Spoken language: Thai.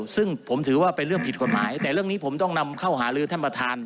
ซึ่งผมถือว่าเป็นเรื่องผิดกฎหมายแต่เรื่องนี้ผมต้องนำเข้าหาลือท่านประธาน